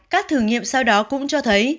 các thử nghiệm sau đó cũng cho thấy